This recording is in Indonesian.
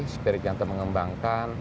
spiritnya untuk mengembangkan